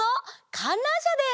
かんらんしゃです！